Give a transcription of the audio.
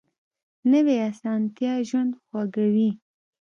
نوې اسانتیا ژوند خوږوي